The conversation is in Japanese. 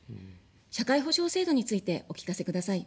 社会保障制度についてお聞かせください。